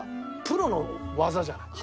プロの技じゃない？